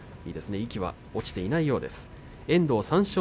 意気は落ちていないようです。